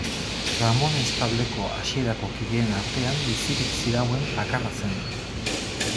Ramones taldeko hasierako kideen artean bizirik zirauen bakarra zen.